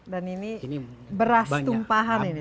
dan ini beras tumpahan ini